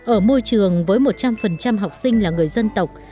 ở môi trường với một trăm linh học sinh là người dân tộc